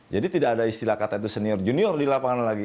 jadi tidak ada istilah kata itu senior junior di lapangan lagi